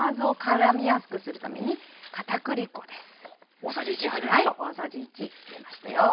大さじ１入れましたよ。